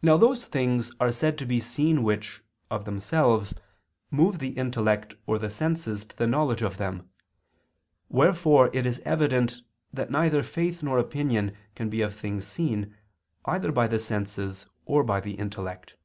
Now those things are said to be seen which, of themselves, move the intellect or the senses to knowledge of them. Wherefore it is evident that neither faith nor opinion can be of things seen either by the senses or by the intellect.